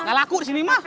gak laku disini mah